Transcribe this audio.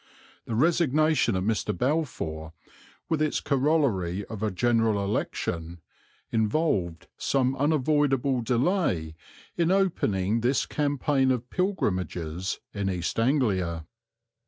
The resignation of Mr. Balfour, with its corollary of a General Election, involved some unavoidable delay in opening this campaign of pilgrimages in East Anglia.